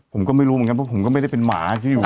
ผมก็ไม่รู้เหมือนกันเพราะผมก็ไม่ได้เป็นหมาที่อยู่